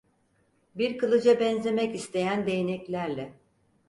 Bir kılıca benzemek isteyen değneklerle.